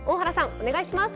お願いします！